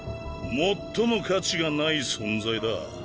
最も価値がない存在だ。